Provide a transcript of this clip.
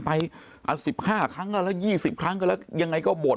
ไป๑๕ครั้งแล้วแล้ว๒๐ครั้งแล้วแล้วยังไงก็หมด